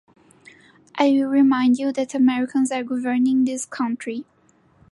I will remind you that the Americans are governing this country.